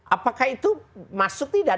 apakah itu masuk tidak